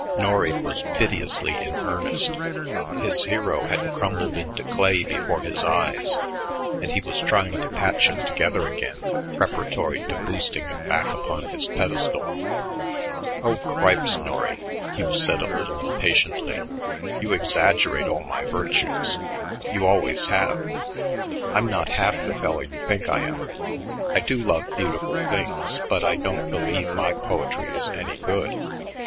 Norry was piteously in earnest. His hero had crumbled into clay before his eyes, and he was trying to patch him together again preparatory to boosting him back upon his pedestal. "Oh, cripes, Norry," Hugh said a little impatiently, "you exaggerate all my virtues; you always have. I'm not half the fellow you think I am. I do love beautiful things, but I don't believe my poetry is any good."